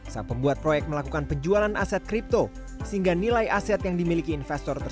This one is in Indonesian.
setelah mengumpulkan dana dari investor